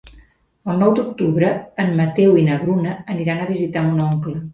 El nou d'octubre en Mateu i na Bruna aniran a visitar mon oncle.